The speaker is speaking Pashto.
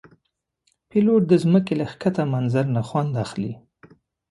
پیلوټ د ځمکې له ښکته منظر نه خوند اخلي.